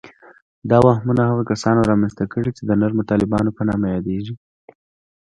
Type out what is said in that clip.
دا وهمونه هغو کسانو رامنځته کړي چې د نرمو طالبانو په نامه یادیږي